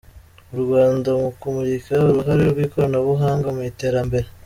U Rwanda mu kumurika uruhare rw’ikoranabuhanga mu iterambere